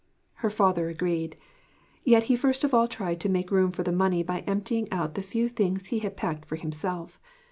Her father agreed. Yet he first of all tried to make room for the money by emptying out the few things he had packed for himself.